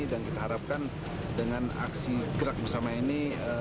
dan kita harapkan dengan aksi berak bersama ini